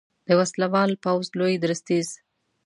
د وسلوال پوځ لوی درستیز